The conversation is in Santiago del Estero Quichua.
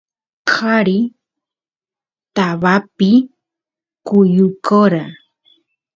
qari tabapi kuyukora